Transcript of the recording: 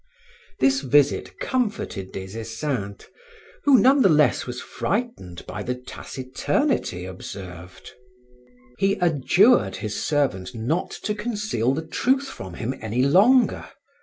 This visit comforted Des Esseintes who none the less was frightened by the taciturnity observed; he adjured his servant not to conceal the truth from him any longer.